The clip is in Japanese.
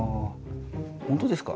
本当ですか？